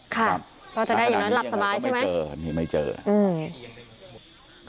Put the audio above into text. ก็จะได้อีกน้อยหลับสบายใช่ไหม